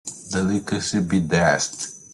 Delicacy be dashed.